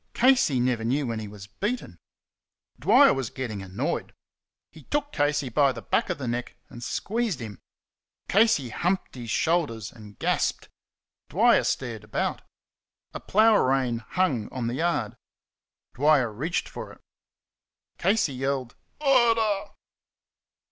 Casey never knew when he was beaten. Dwyer was getting annoyed. He took Casey by the back of the neck and squeezed him. Casey humped his shoulders and gasped. Dwyer stared about. A plough rein hung on the yard. Dwyer reached for it. Casey yelled, "Murder!"